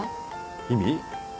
意味？